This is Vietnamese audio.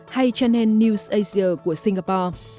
hay channel newsasia của singapore